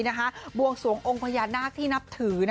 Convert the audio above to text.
ภูมิวงศนมองพญานาคที่นับถือ